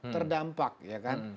terdampak ya kan